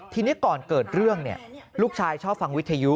ทีนี้ก่อนเกิดเรื่องลูกชายชอบฟังวิทยุ